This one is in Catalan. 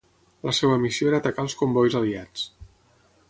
La seva missió era atacar els combois aliats.